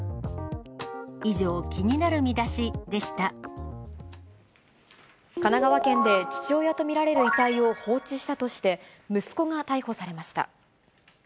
以上、神奈川県で、父親と見られる遺体を放置したとして、息子が逮捕されました。